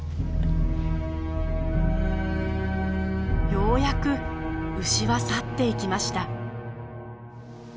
ようやく牛は去っていきました。